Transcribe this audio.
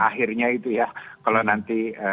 akhirnya itu ya kalau nanti